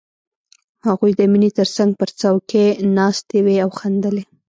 هغوی د مينې تر څنګ پر څوکۍ ناستې وې او خندلې